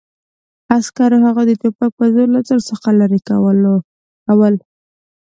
عسکرو هغوی د ټوپک په زور له ځان څخه لرې کول